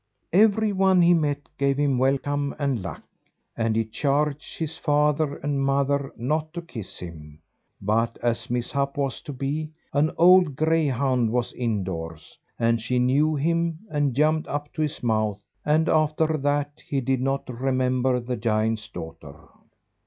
Every one he met gave him welcome and luck, and he charged his father and mother not to kiss him; but as mishap was to be, an old greyhound was indoors, and she knew him, and jumped up to his mouth, and after that he did not remember the giant's daughter.